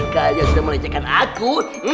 kalian sudah melecehkan aku